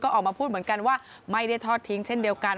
ออกมาพูดเหมือนกันว่าไม่ได้ทอดทิ้งเช่นเดียวกัน